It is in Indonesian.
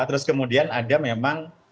terus kemudian ada memang